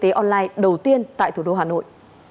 trạm y tế online đầu tiên tại thủ đô hà nội